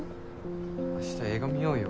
明日映画観ようよ。